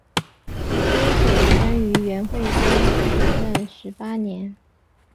丁显生于元惠宗至正十八年。